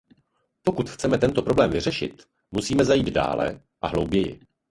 Pokud chceme tento problém vyřešit, musíme zajít dále a hlouběji.